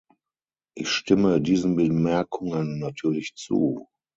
Ich stimme diesen Bemerkungen natürlich zu.